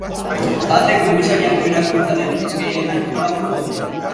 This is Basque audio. Batek komisariako eraikuntzaren eskaileretan gora jo zuen.